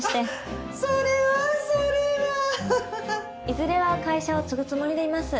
いずれは会社を継ぐつもりでいます。